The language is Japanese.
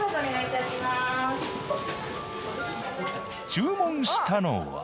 注文したのは。